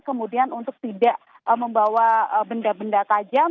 kemudian untuk tidak membawa benda benda tajam